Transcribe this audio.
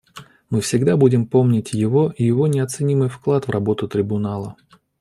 Мы всегда будем помнить его и его неоценимый вклад в работу Трибунала.